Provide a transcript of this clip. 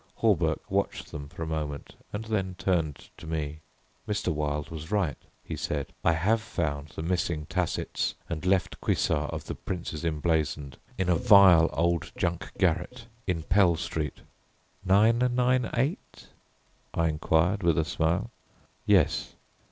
Hawberk watched them for a moment and then turned to me. "Mr. Wilde was right," he said. "I have found the missing tassets and left cuissard of the 'Prince's Emblazoned,' in a vile old junk garret in Pell Street." "998?" I inquired, with a smile. "Yes."